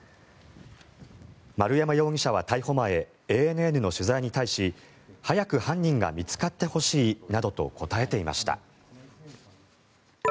丸山容疑者は逮捕前ＡＮＮの取材に対し早く犯人が見つかってほしいなどと答えていました。